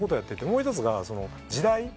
もう一つが時代。